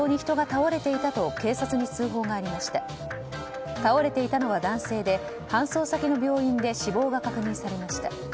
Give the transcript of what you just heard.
倒れていたのは男性で搬送先の病院で死亡が確認されました。